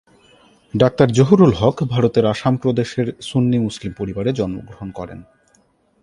Doctor Zahurul Haque ভারতের আসাম প্রদেশের সুন্নি মুসলিম পরিবারে জন্মগ্রহণ করেন।